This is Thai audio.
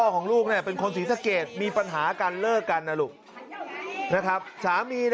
ของลูกเป็นคนศรีสะเกดมีปัญหากันเลิกกันนะลูกสามี